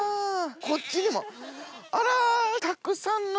こっちにもあら。